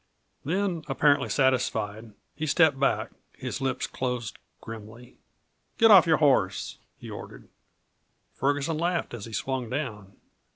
Then, apparently satisfied, he stepped back, his lips closed grimly. "Get off your horse," he ordered. Ferguson laughed as he swung down.